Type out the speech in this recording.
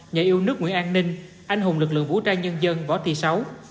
nhà yêu nước nguyễn an ninh anh hùng lực lượng vũ trang nhân dân võ thị sáu